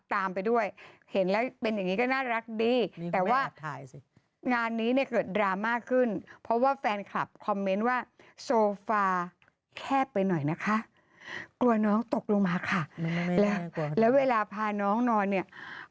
แทบไปหน่วงนะคะกลัวน้องตกลงมาค่ะและเวลาพาน้องนอนเนี่ย